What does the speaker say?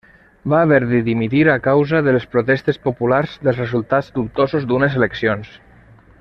Va haver de dimitir a causa de les protestes populars pels resultats dubtosos d'unes eleccions.